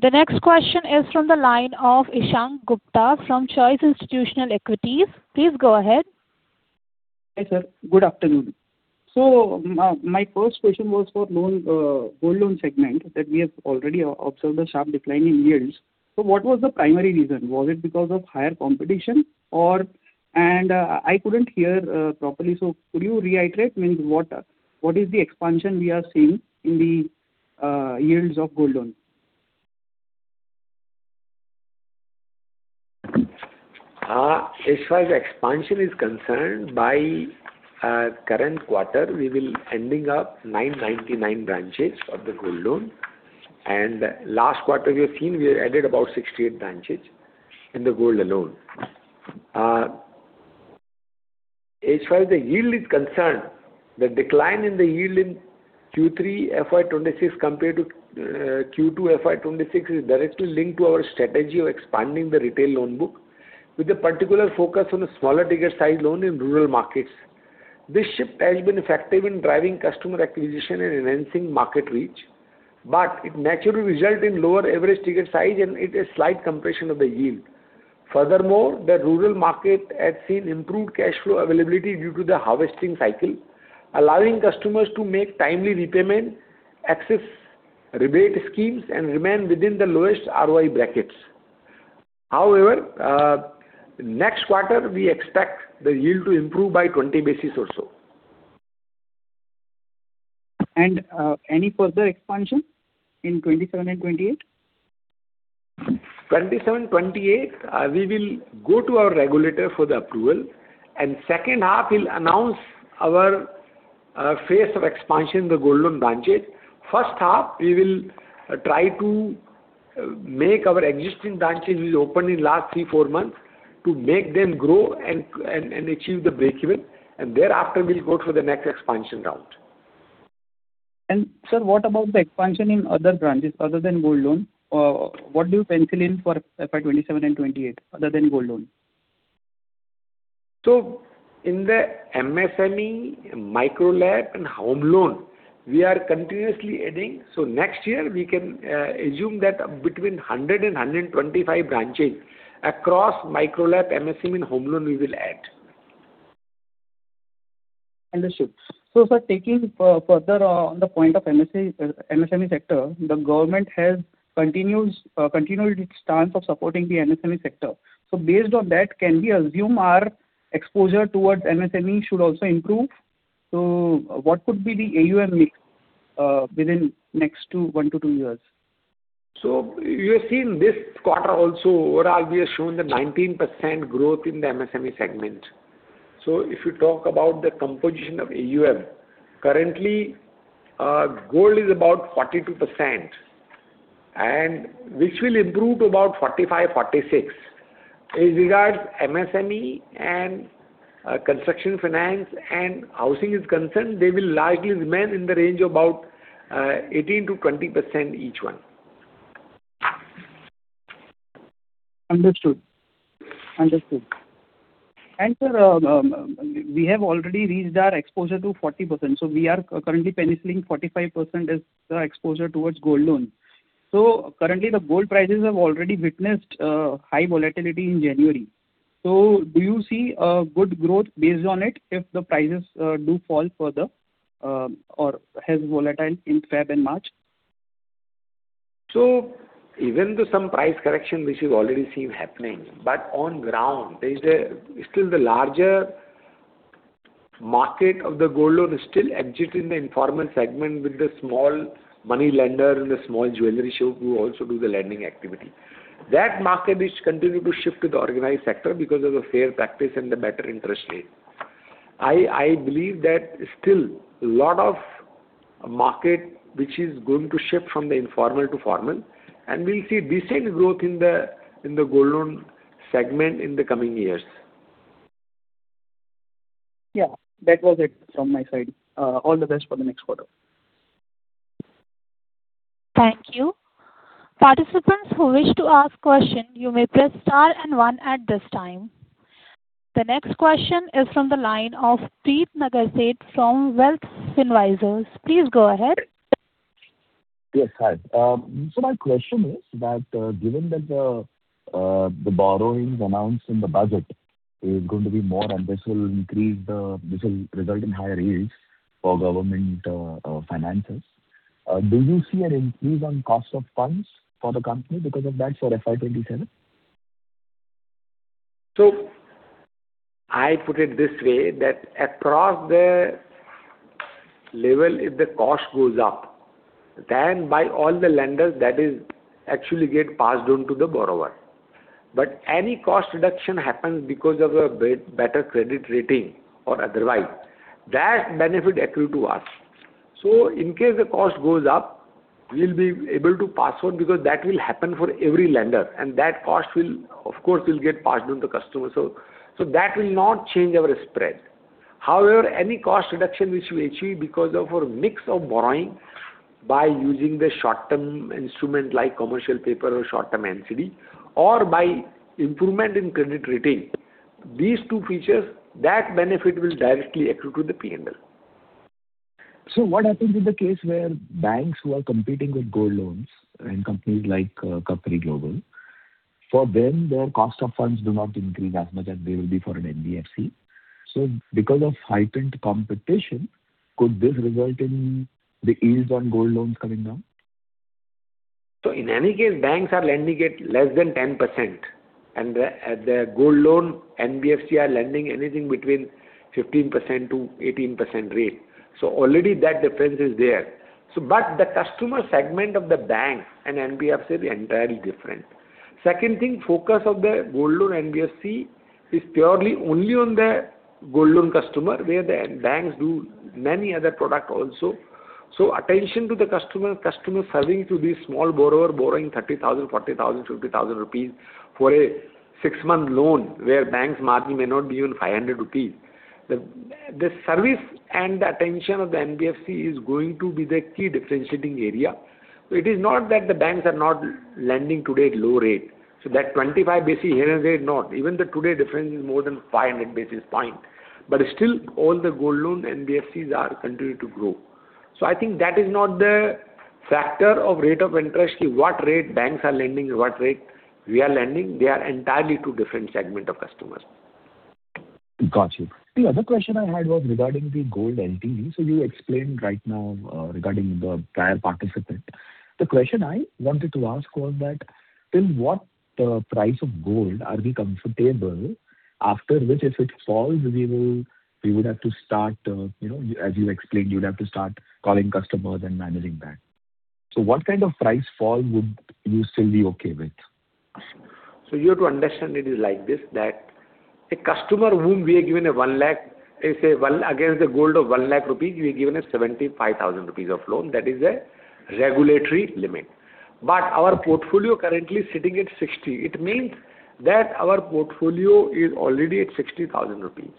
The next question is from the line of Ishank Gupta from Choice Institutional Equities. Please go ahead. Hi, sir. Good afternoon. So, my first question was for gold loan segment that we have already observed a sharp decline in yields. So, what was the primary reason? Was it because of higher competition? And I couldn't hear properly. So, could you reiterate? I mean, what is the expansion we are seeing in the yields of gold loan? As far as expansion is concerned, by current quarter, we will be ending up with 999 branches of the gold loan. And last quarter, we have seen we added about 68 branches in the gold alone. As far as the yield is concerned, the decline in the yield in Q3 FY26 compared to Q2 FY26 is directly linked to our strategy of expanding the retail loan book with a particular focus on a smaller ticket size loan in rural markets. This shift has been effective in driving customer acquisition and enhancing market reach. But it naturally resulted in lower average ticket size, and it is a slight compression of the yield. Furthermore, the rural market has seen improved cash flow availability due to the harvesting cycle, allowing customers to make timely repayment, access rebate schemes, and remain within the lowest ROI brackets. However, next quarter, we expect the yield to improve by 20 basis points or so. Any further expansion in 2027 and 2028? 2027, 2028, we will go to our regulator for the approval. The second half, he'll announce our phase of expansion in the gold loan branches. First half, we will try to make our existing branches which opened in the last 3-4 months to make them grow and achieve the breakeven. Thereafter, we'll go for the next expansion round. Sir, what about the expansion in other branches other than gold loan? What do you pencil in for FY2027 and 2028 other than gold loan? In the MSME, Micro LAP, and home loan, we are continuously adding. Next year, we can assume that between 100 and 125 branches across Micro LAP, MSME, and home loan, we will add. Understood. So sir, taking further on the point of MSME sector, the government has continued its stance of supporting the MSME sector. So, based on that, can we assume our exposure towards MSME should also improve? So, what could be the AUM mix within the next 1-2 years? You have seen this quarter also, overall, we have shown the 19% growth in the MSME segment. If you talk about the composition of AUM, currently, gold is about 42%, which will improve to about 45%-46%. As regards to MSME and construction finance and housing is concerned, they will largely remain in the range of about 18%-20% each one. Understood. Understood. And sir, we have already reached our exposure to 40%. So, we are currently penciling 45% as the exposure towards gold loan. So currently, the gold prices have already witnessed high volatility in January. So, do you see good growth based on it if the prices do fall further or are volatile in February and March? So even though some price correction, which we've already seen happening, but on the ground, still, the larger market of the gold loan is still exiting the informal segment with the small money lender and the small jewelry shop who also do the lending activity. That market, which continues to shift to the organized sector because of the fair practice and the better interest rate, I believe that still, a lot of market, which is going to shift from the informal to formal. And we'll see decent growth in the gold loan segment in the coming years. Yeah. That was it from my side. All the best for the next quarter. Thank you. Participants who wish to ask a question, you may press star and one at this time. The next question is from the line of Preet Nagersheth from Wealth Advisors. Please go ahead. Yes. Hi. So, my question is that given that the borrowing announced in the budget is going to be more, and this will result in higher yields for government finances, do you see an increase in cost of funds for the company because of that for FY27? So, I put it this way that across the level, if the cost goes up, then by all the lenders, that actually gets passed on to the borrower. But any cost reduction happens because of a better credit rating or otherwise. That benefit accrued to us. So, in case the cost goes up, we'll be able to pass on because that will happen for every lender. And that cost, of course, will get passed on to the customer. So, that will not change our spread. However, any cost reduction which we achieve because of our mix of borrowing by using the short-term instrument like commercial paper or short-term NCD or by improvement in credit rating, these two features, that benefit will directly accrue to the P&L. So, what happens in the case where banks who are competing with gold loans and companies like Capri Global, for them, their cost of funds do not increase as much as they will be for an NBFC? So, because of heightened competition, could this result in the yields on gold loans coming down? So, in any case, banks are lending at less than 10%. And the gold loan NBFC are lending anything between 15%-18% rate. So already, that difference is there. But the customer segment of the banks and NBFC is entirely different. Second thing, the focus of the gold loan NBFC is purely only on the gold loan customer, where the banks do many other products also. So, attention to the customer, customer serving to this small borrower borrowing 30,000, 40,000, 50,000 rupees for a six-month loan, where banks' margin may not be even 500 rupees, the service and the attention of the NBFC is going to be the key differentiating area. So, it is not that the banks are not lending today at low rate. So that 25 bases here and there, not. Even today the difference is more than 500 basis points. Still, all the gold loan NBFCs continue to grow. So I think that is not the factor of rate of interest that what rate banks are lending or what rate we are lending. They are entirely two different segments of customers. Gotcha. The other question I had was regarding the gold LTV. So you explained right now regarding the prior participant. The question I wanted to ask was that till what price of gold are we comfortable after which, if it falls, we will have to start as you explained, you will have to start calling customers and managing that? So what kind of price fall would you still be okay with? So, you have to understand it is like this that a customer whom we are giving a 100,000 say, against the gold of 100,000 rupees, we are giving a 75,000 rupees loan. That is a regulatory limit. But our portfolio is currently sitting at 60%. It means that our portfolio is already at 60,000 rupees.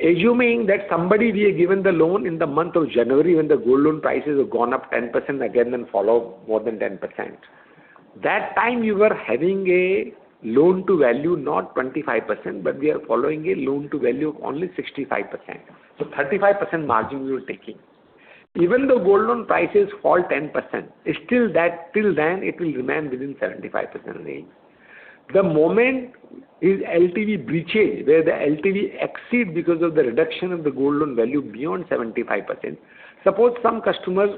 Assuming that somebody we are giving the loan in the month of January, when the gold loan prices have gone up 10% again and fallen more than 10%, that time, you were having a loan-to-value not 25%, but we are following a loan-to-value of only 65%. So, 35% margin we were taking. Even though gold loan prices fall 10%, still, till then, it will remain within 75% range. The moment his LTV breaches, where the LTV exceeds because of the reduction of the gold loan value beyond 75%, suppose some customer's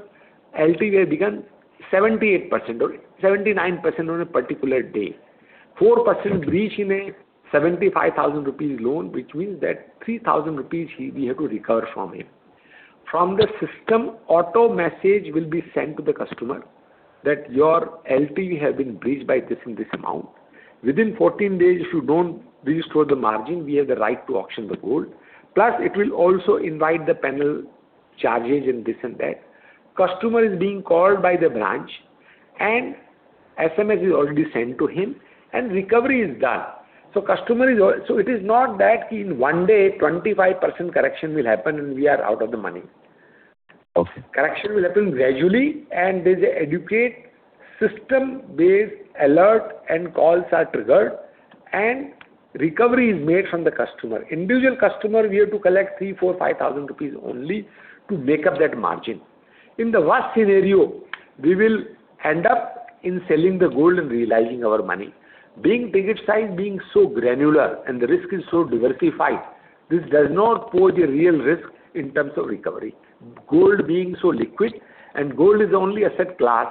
LTV has become 78% or 79% on a particular day, 4% breach in a 75,000 rupees loan, which means that 3,000 rupees we have to recover from him. From the system, an auto message will be sent to the customer that your LTV has been breached by this and this amount. Within 14 days, if you don't reach towards the margin, we have the right to auction the gold. Plus, it will also invite the penal charges and this and that. The customer is being called by the branch, and SMS is already sent to him, and recovery is done. So, it is not that in one day, 25% correction will happen, and we are out of the money. Correction will happen gradually, and there's an educated system-based alert, and calls are triggered, and recovery is made from the customer. Individual customer, we have to collect 3,000 rupees, 4,000 rupees, 5,000 rupees only to make up that margin. In the worst scenario, we will end up selling the gold and realizing our money. Being ticket size being so granular and the risk is so diversified, this does not pose a real risk in terms of recovery. Gold being so liquid, and gold is only an asset class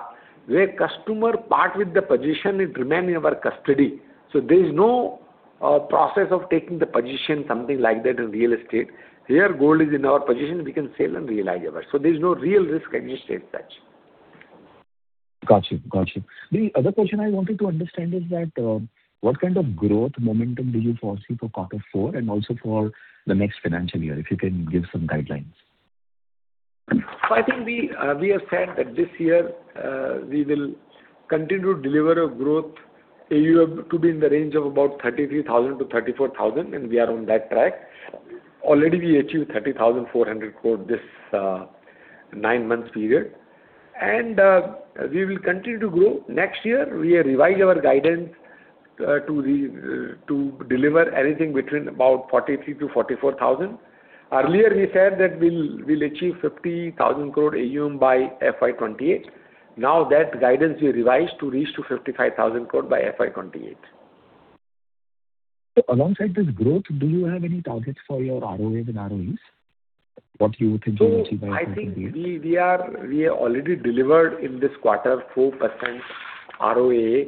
where customer parts with the position, it remains in our custody. So, there is no process of taking the position, something like that in real estate. Here, gold is in our position. We can sell and realize ours. So, there is no real risk as such. Gotcha. Gotcha. The other question I wanted to understand is that what kind of growth momentum do you foresee for quarter four and also for the next financial year, if you can give some guidelines? I think we have said that this year, we will continue to deliver a growth to be in the range of about 33,000-34,000, and we are on that track. Already, we achieved 30,400 crore this nine-month period. We will continue to grow. Next year, we revise our guidance to deliver anything between about 43,000-44,000. Earlier, we said that we'll achieve 50,000 crore AUM by FY28. Now, that guidance we revised to reach 55,000 crore by FY28. Alongside this growth, do you have any targets for your ROAs and ROEs? What do you think you will achieve by FY28? So, I think we have already delivered in this quarter 4% ROA,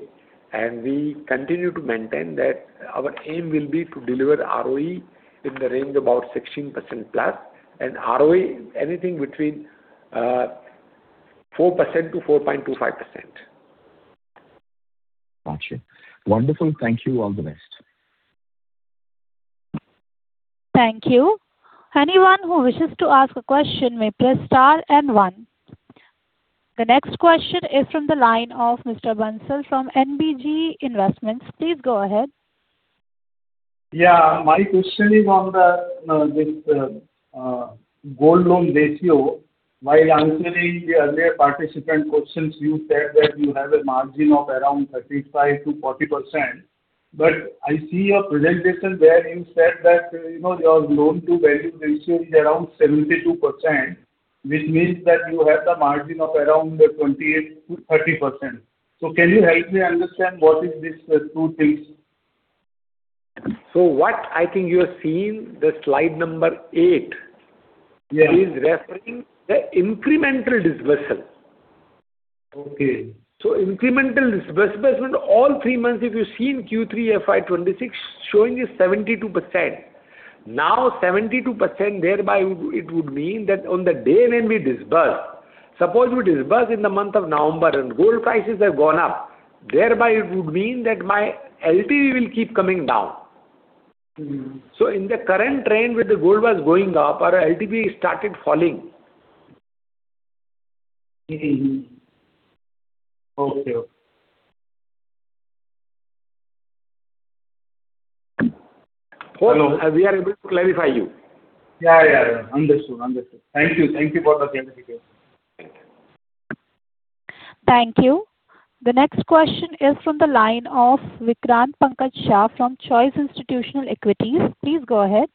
and we continue to maintain that our aim will be to deliver ROE in the range of about 16%+ and ROE anything between 4%-4.25%. Gotcha. Wonderful. Thank you. All the best. Thank you. Anyone who wishes to ask a question may press star and one. The next question is from the line of Mr. Bansal from NBG Investments. Please go ahead. Yeah. My question is on this gold loan ratio. While answering the earlier participant questions, you said that you have a margin of around 35%-40%. But I see your presentation where you said that your loan-to-value ratio is around 72%, which means that you have the margin of around 28%-30%. So, can you help me understand what are these two things? So, what I think you have seen, the slide number 8, is referring to the incremental disbursement. So, incremental disbursement, all three months, if you've seen Q3 FY26 showing is 72%. Now, 72%, thereby, it would mean that on the day when we disburse, suppose we disburse in the month of November and gold prices have gone up, thereby, it would mean that my LTV will keep coming down. So, in the current trend, when the gold was going up, our LTV started falling. Okay. We are able to clarify you. Yeah. Yeah. Yeah. Understood. Understood. Thank you. Thank you for the clarification. Thank you. The next question is from the line of Vikrant Pankaj Shah from Choice Institutional Equities. Please go ahead.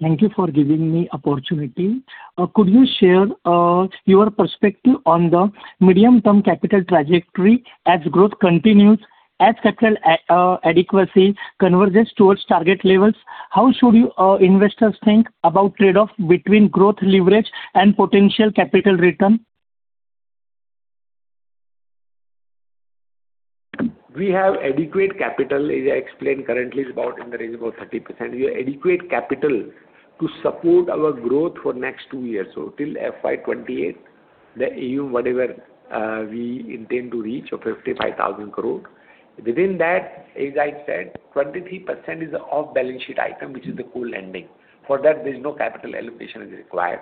Thank you for giving me the opportunity. Could you share your perspective on the medium-term capital trajectory as growth continues, as capital adequacy converges towards target levels? How should investors think about trade-off between growth leverage and potential capital return? We have adequate capital, as I explained, currently is about in the range of about 30%. We have adequate capital to support our growth for the next two years. So till FY28, the AUM, whatever we intend to reach of 55,000 crore, within that, as I said, 23% is off balance sheet item, which is the co-lending. For that, there is no capital allocation required.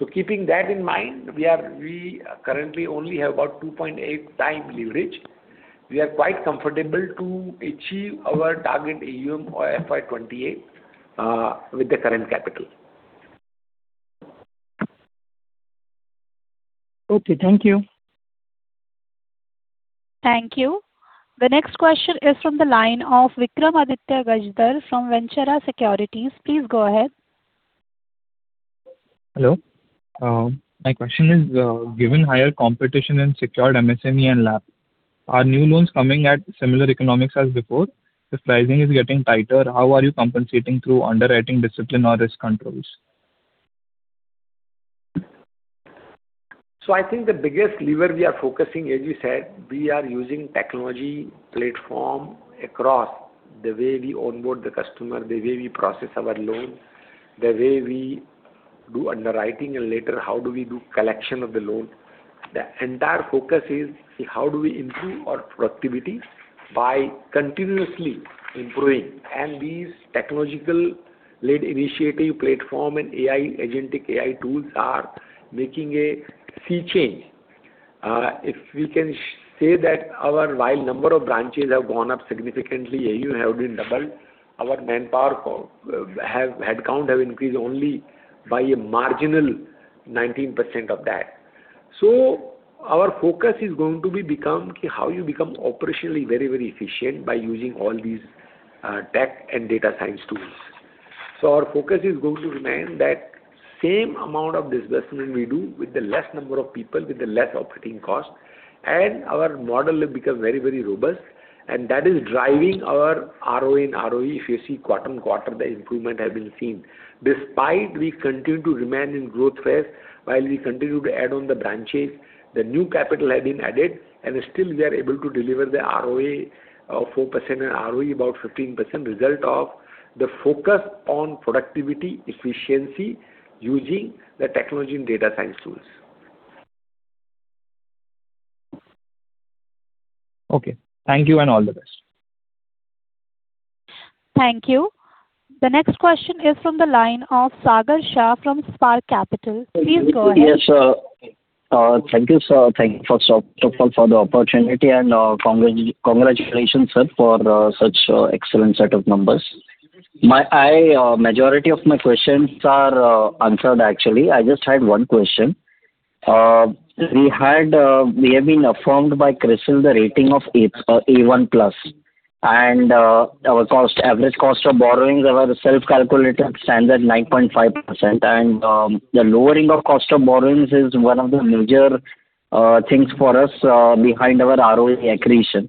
So keeping that in mind, we currently only have about 2.8% Tier 1 leverage. We are quite comfortable to achieve our target AUM of FY28 with the current capital. Okay. Thank you. Thank you. The next question is from the line of Vikramaditya Gajjar from Ventura Securities. Please go ahead. Hello. My question is, given higher competition in secured MSME and LAP, are new loans coming at similar economics as before? If pricing is getting tighter, how are you compensating through underwriting discipline or risk controls? So, I think the biggest lever we are focusing on, as you said, we are using technology platform across the way we onboard the customer, the way we process our loans, the way we do underwriting, and later, how do we do collection of the loan. The entire focus is how do we improve our productivity by continuously improving. And these technological-led initiative platform and agentic AI tools are making a sea change. If we can say that while the number of branches has gone up significantly, AUM has been doubled, our manpower headcount has increased only by a marginal 19% of that. So, our focus is going to become how you become operationally very, very efficient by using all these tech and data science tools. So, our focus is going to remain that same amount of disbursement we do with the smaller number of people, with the less operating cost, and our model becomes very, very robust. And that is driving our ROA and ROE. If you see quarter-on-quarter, the improvement has been seen. Despite we continue to remain in growth phase, while we continue to add on the branches, the new capital has been added, and still, we are able to deliver the ROA of 4% and ROE about 15% result of the focus on productivity, efficiency using the technology and data science tools. Okay. Thank you, and all the best. Thank you. The next question is from the line of Sagar Shah from Spark Capital. Please go ahead. Yes, sir. Thank you, sir. First of all, for the opportunity. And congratulations, sir, for such an excellent set of numbers. The majority of my questions are answered, actually. I just had one question. We have been affirmed by CRISIL the rating of A1+. And our average cost of borrowings, our self-calculated, stands at 9.5%. And the lowering of cost of borrowings is one of the major things for us behind our ROE accretion.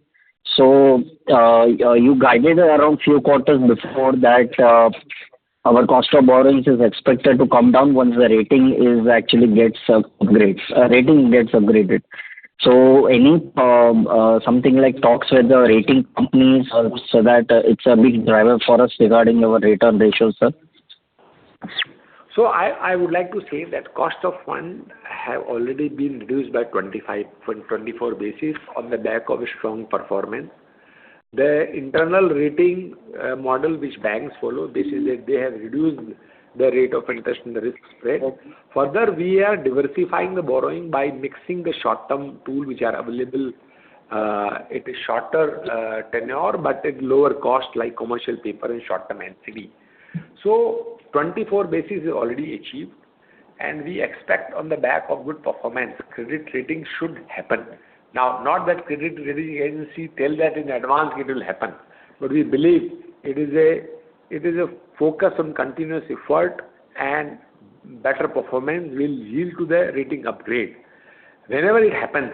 So, you guided around a few quarters before that our cost of borrowings is expected to come down once the rating actually gets upgraded. So, something like talks with the rating companies helps so that it's a big driver for us regarding our return ratio, sir. So, I would like to say that cost of funds has already been reduced by 24 basis points on the back of a strong performance. The internal rating model which banks follow, this is that they have reduced the rate of interest and the risk spread. Further, we are diversifying the borrowing by mixing the short-term tools which are available. It is shorter tenure, but its lower costs like commercial paper and short-term STL. So, 24 basis points is already achieved. And we expect, on the back of good performance, credit rating should happen. Now, not that credit rating agency tells that in advance it will happen, but we believe it is a focus on continuous effort, and better performance will yield to the rating upgrade. Whenever it happens,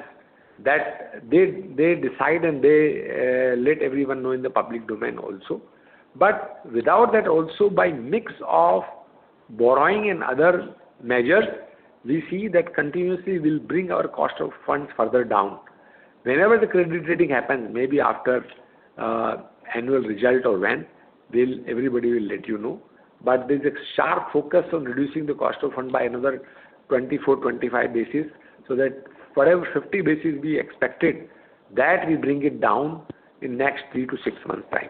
they decide, and they let everyone know in the public domain also. But without that also, by mix of borrowing and other measures, we see that continuously, we will bring our cost of funds further down. Whenever the credit rating happens, maybe after annual result or when, everybody will let you know. But there's a sharp focus on reducing the cost of funds by another 24-25 basis so that whatever 50 basis we expected that we bring it down in the next 3-6 months' time.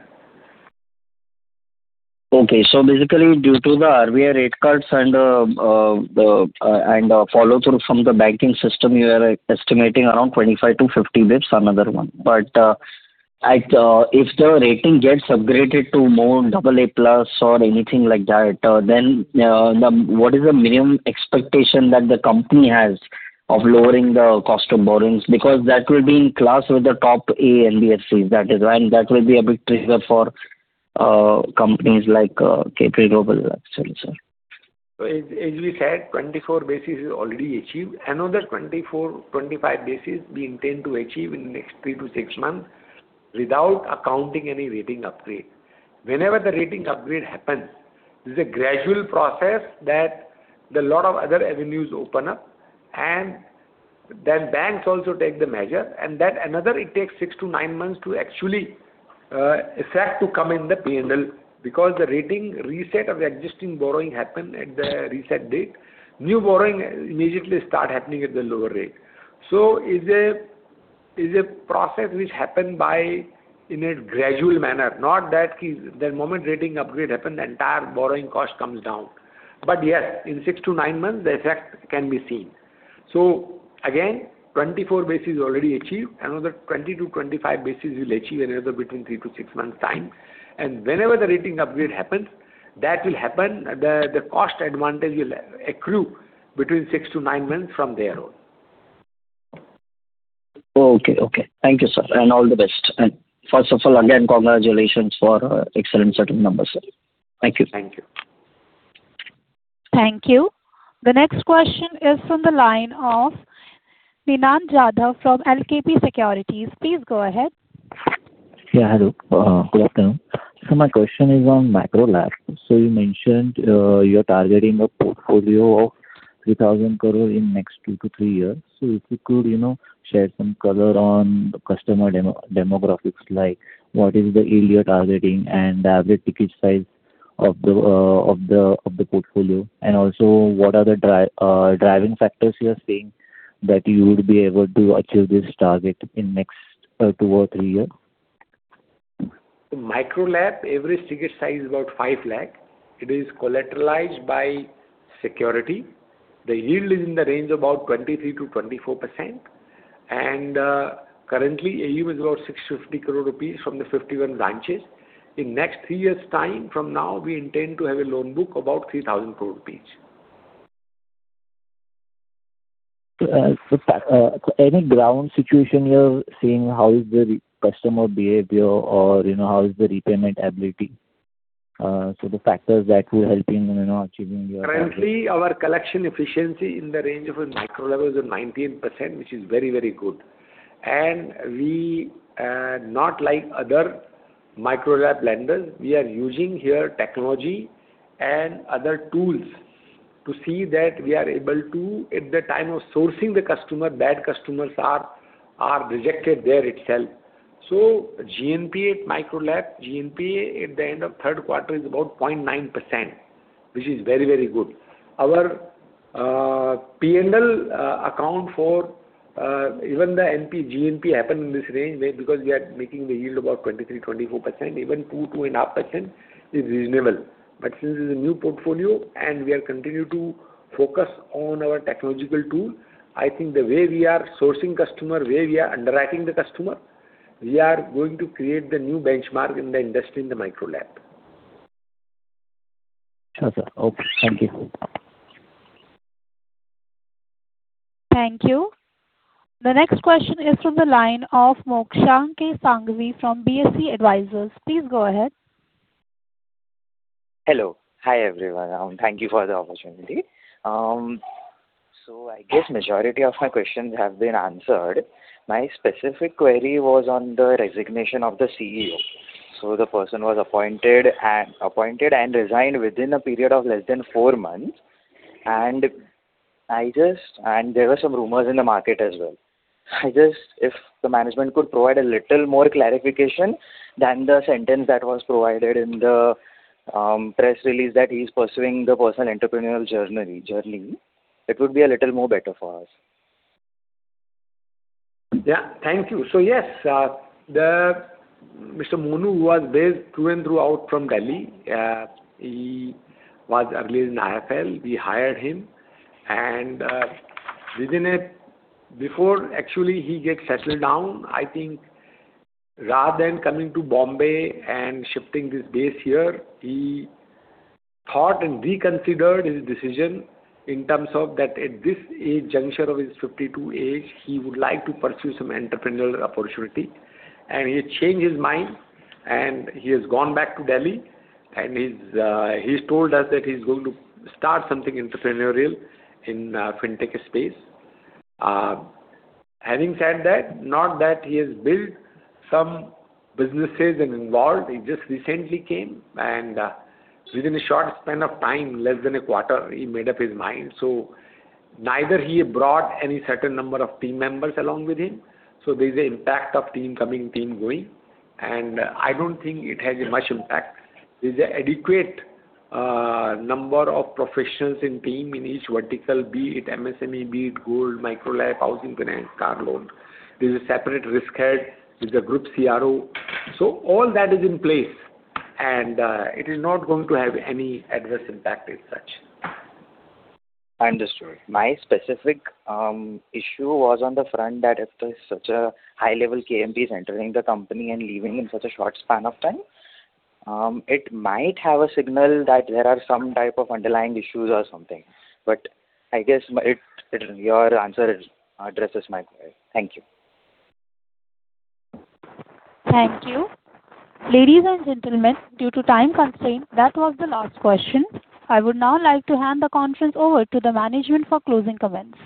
Okay. So basically, due to the RBI rate cuts and the follow-through from the banking system, you are estimating around 25-50 basis points, another one. But if the rating gets upgraded to more AA+ or anything like that, then what is the minimum expectation that the company has of lowering the cost of borrowings? Because that will be in class with the top NBFCs. That is why that will be a big trigger for companies like Capri Global, actually, sir. So, as we said, 24 basis is already achieved. Another 24-25 basis we intend to achieve in the next 3-6 months without accounting any rating upgrade. Whenever the rating upgrade happens, this is a gradual process that a lot of other avenues open up and then banks also take the measure. And another, it takes 6-9 months to actually come in the P&L because the rating reset of the existing borrowing happened at the reset date. New borrowing immediately starts happening at the lower rate. So, it's a process which happens in a gradual manner. Not that the moment rating upgrade happens, the entire borrowing cost comes down. But yes, in 6-9 months, the effect can be seen. So again, 24 basis is already achieved. Another 20-25 basis we'll achieve another between 3-6 months' time. Whenever the rating upgrade happens, that will happen. The cost advantage will accrue between 6-9 months from there on. Okay. Okay. Thank you, sir. All the best. First of all, again, congratulations for excellent set of numbers, sir. Thank you. Thank you. Thank you. The next question is from the line of Ninad Jadhav from LKP Securities. Please go ahead. Yeah. Hello. Good afternoon. So, my question is on Micro LAP. So, you mentioned you're targeting a portfolio of 3,000 crore in the next two to three years. So, if you could share some color on customer demographics like what is the yearly targeting and the average ticket size of the portfolio? And also, what are the driving factors you are seeing that you would be able to achieve this target in the next two or three years? LAP, average ticket size is about 5 lakh. It is collateralized by security. The yield is in the range of about 23%-24%. Currently, AUM is about 650 crore rupees from the 51 branches. In the next 3 years' time from now, we intend to have a loan book of about 3,000 crore rupees. So, any ground situation you're seeing? How is the customer behavior or how is the repayment ability? So, the factors that will help in achieving your. Currently, our collection efficiency in the range of Micro LAP is 19%, which is very, very good. And not like other Micro LAP lenders, we are using here technology and other tools to see that we are able to, at the time of sourcing the customer, bad customers are rejected there itself. So GNPA at Micro LAP, GNPA at the end of third quarter is about 0.9%, which is very, very good. Our P&L account for even the Net NPA happened in this range because we are making the yield about 23%-24%. Even 2%-2.5% is reasonable. But since it's a new portfolio and we are continuing to focus on our technological tool, I think the way we are sourcing customers, the way we are underwriting the customers, we are going to create the new benchmark in the industry in the Micro LAP. Sure, sir. Okay. Thank you. Thank you. The next question is from the line of Mokshankhi Sanghvi from BSC Advisors. Please go ahead. Hello. Hi, everyone. Thank you for the opportunity. So, I guess the majority of my questions have been answered. My specific query was on the resignation of the CEO. So, the person was appointed and resigned within a period of less than four months. And there were some rumors in the market as well. If the management could provide a little more clarification than the sentence that was provided in the press release that he's pursuing the personal entrepreneurial journey, it would be a little better for us. Yeah. Thank you. So yes, Mr. Monu, who was based through and throughout from Delhi, he was released in IIFL. We hired him. And before actually he gets settled down, I think rather than coming to Bombay and shifting this base here, he thought and reconsidered his decision in terms of that at this age juncture of his 52 ages, he would like to pursue some entrepreneurial opportunity. And he changed his mind, and he has gone back to Delhi. And he's told us that he's going to start something entrepreneurial in the fintech space. Having said that, not that he has built some businesses and involved. He just recently came. And within a short span of time, less than a quarter, he made up his mind. So, neither he brought any certain number of team members along with him. So, there is an impact of team coming, team going. I don't think it has much impact. There is an adequate number of professionals in team in each vertical, be it MSME, be it gold, Micro LAP, housing finance, car loan. There is a separate risk head. There's a group CRO. So, all that is in place. It is not going to have any adverse impact as such. Understood. My specific issue was on the front that after such a high-level KMP is entering the company and leaving in such a short span of time, it might have a signal that there are some types of underlying issues or something. But I guess your answer addresses my query. Thank you. Thank you. Ladies and gentlemen, due to time constraint, that was the last question. I would now like to hand the conference over to the management for closing comments.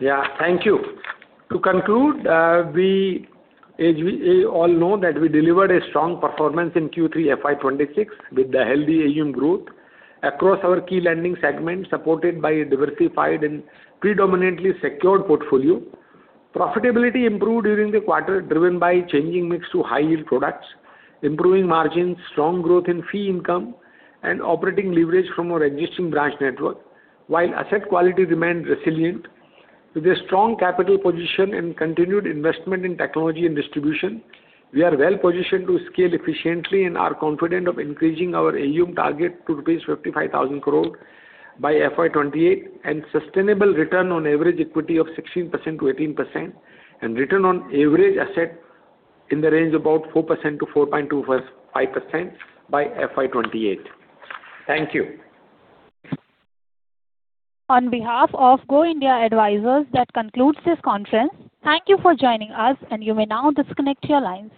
Yeah. Thank you. To conclude, we all know that we delivered a strong performance in Q3 FY26 with the healthy AUM growth across our key lending segment supported by a diversified and predominantly secured portfolio. Profitability improved during the quarter driven by changing mix to high-yield products, improving margins, strong growth in fee income, and operating leverage from our existing branch network. While asset quality remained resilient, with a strong capital position and continued investment in technology and distribution, we are well positioned to scale efficiently and are confident of increasing our AUM target to rupees 55,000 crore by FY28 and sustainable return on average equity of 16%-18% and return on average asset in the range of about 4%-4.25% by FY28. Thank you. On behalf of Go India Advisors, that concludes this conference. Thank you for joining us, and you may now disconnect your lines.